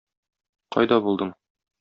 Кайда булдың?